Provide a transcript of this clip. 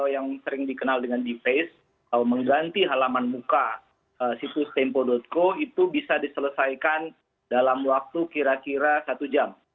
yang sering dikenal dengan deface atau mengganti halaman muka situs tempo co itu bisa diselesaikan dalam waktu kira kira satu jam